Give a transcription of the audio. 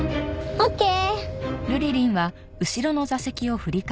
オッケー！